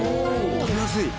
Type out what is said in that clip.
食べやすい！